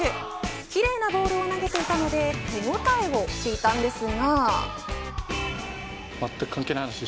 きれいなボールを投げていたので手応えを聞いたのですが。